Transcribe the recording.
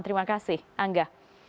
terima kasih angga